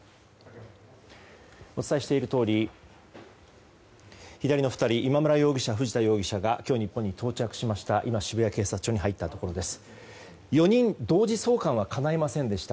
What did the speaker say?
お伝えしているとおり左の２人今村容疑者、藤田容疑者が今日、日本に到着しました。